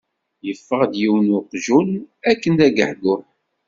Yeffeɣ-d yiwen n weqjun akken d agehguh.